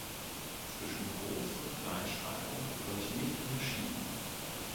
Zwischen Groß- und Kleinschreibung wird nicht unterschieden.